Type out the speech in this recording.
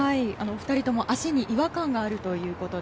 ２人とも足に違和感があると。